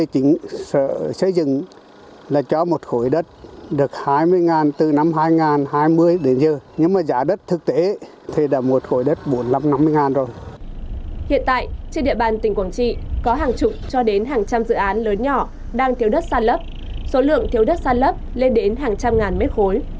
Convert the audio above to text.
hiện tại trên địa bàn tỉnh quảng trị có hàng chục cho đến hàng trăm dự án lớn nhỏ đang thiếu đất sàn lấp số lượng thiếu đất sàn lấp lên đến hàng trăm ngàn mết khối